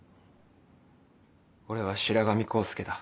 俺は白神黄介だ。